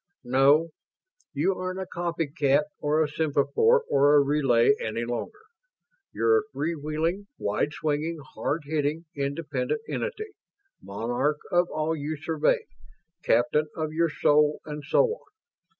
"No. You aren't a copycat or a semaphore or a relay any longer. You're a free wheeling, wide swinging, hard hitting, independent entity monarch of all you survey captain of your soul and so on.